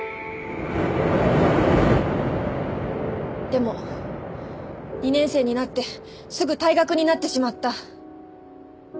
でも２年生になってすぐ退学になってしまった。